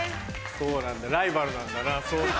そうなんだライバルなんだな相当。